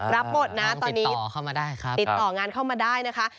รับหมดนะตอนนี้ติดต่องานเข้ามาได้นะคะ